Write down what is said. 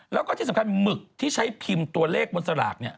แล้วก็ที่สำคัญหมึกที่ใช้พิมพ์ตัวเลขบนสลากเนี่ย